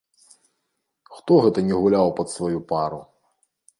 Хто гэта не гуляў пад сваю пару?